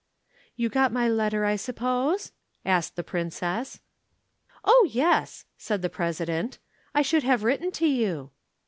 "You got my letter, I suppose?" asked the Princess. "Oh, yes," said the President. "I should have written to you."